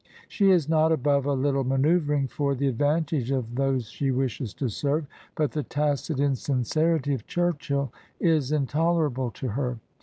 She is not above a little manceu ! vring for the advantage of those she wishes to serve, but the tacit insincerity of Churchill is intolerable to her